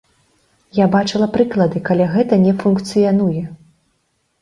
Я бачыла прыклады, калі гэта не функцыянуе.